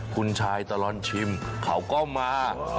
คุณชายตลอดชิมเขาก็มา